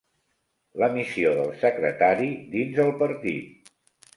La missió del secretari dins el partit.